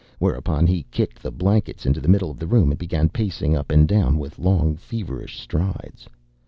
” Whereupon he kicked the blankets into the middle of the room, and began pacing up and down with long feverish strides.